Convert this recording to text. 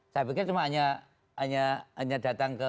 saya pikir cuma hanya datang ke